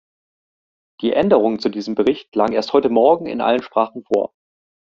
Die Änderungen zu diesem Bericht lagen erst heute Morgen in allen Sprachen vor.